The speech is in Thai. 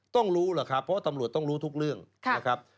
ต้องรู้ล่ะครับเพราะตำรวจต้องรู้ทุกเรื่องนะครับ